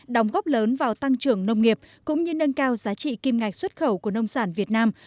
đóng góp lớn vào tăng trưởng nông nghiệp cũng như nâng cao giá trị kim ngạch xuất khẩu của nông sản việt nam